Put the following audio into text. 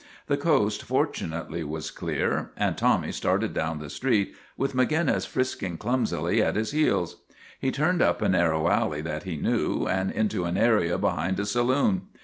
The coast, fortunately, was clear, and Tommy started down the street, with Ma ginnis frisking clumsily at his heels. He turned up a narrow alley that he knew, and into an area behind a saloon.